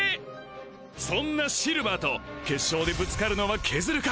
そんなシルヴァーと決勝でぶつかるのはケズルか？